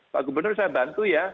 pak gubernur saya bantu ya